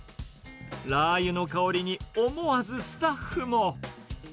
ラー油の香りに、思わずスタッフも。